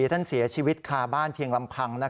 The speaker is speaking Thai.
ท่านเสียชีวิตคาบ้านเพียงลำพัง